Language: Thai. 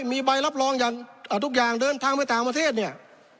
มีใบรับรองอย่างทุกอย่างเดินทางไปต่างประเทศเนี่ย